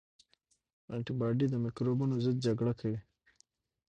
انټي باډي د مکروبونو ضد جګړه کوي